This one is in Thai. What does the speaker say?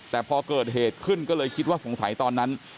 แต่พอเกิดเหตุขึ้นก็เลยคิดว่าสงสัยตอนนั้น